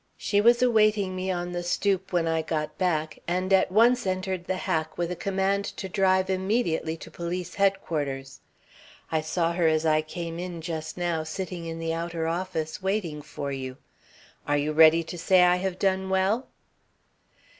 She was awaiting me on the stoop when I got back, and at once entered the hack with a command to drive immediately to Police Headquarters. I saw her as I came in just now sitting in the outer office, waiting for you. Are you ready to say I have done well?"